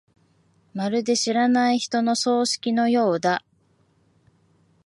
まるで知らない人の葬式のようだ。